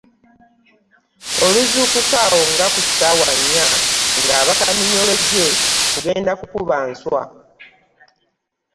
Oluzuukuka awo nga ku ssaawa nnya, ng’abaka minyolo gye kugenda kukuba nswa.